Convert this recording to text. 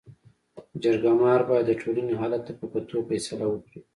جرګه مار باید د ټولني حالت ته په کتو فيصله وکړي.